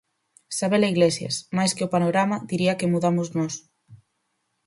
Sabela Iglesias: Máis que o panorama diría que mudamos nós.